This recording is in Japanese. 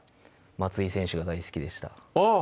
松井選手が大好きでしたあっ！